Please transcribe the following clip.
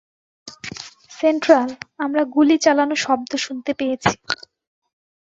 Central, আমরা গুলি চালানো শব্দ শুনতে পেয়েছি।